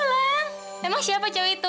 gila emang siapa cewek itu